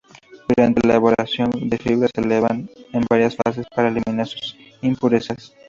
Durante su elaboración, las fibras se lavan en varias fases para eliminar las impurezas.